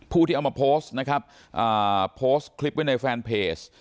ที่เอามาโพสต์นะครับโพสต์คลิปไว้ในแฟนเพจ